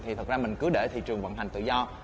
thì thật ra mình cứ để thị trường vận hành tự do